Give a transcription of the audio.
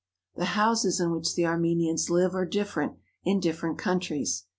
The houses in which the Armenians live are different in different countries.